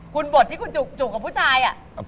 คุณบทที่คุณจุกกับผู้ชาย